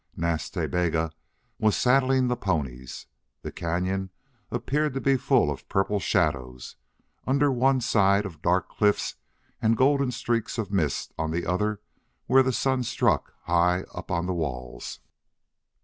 Nas Ta Bega was saddling the ponies. The cañon appeared to be full of purple shadows under one side of dark cliffs and golden streaks of mist on the other where the sun struck high up on the walls.